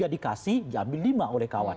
dikasih diambil lima oleh kawan